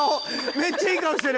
めっちゃいい顔してる！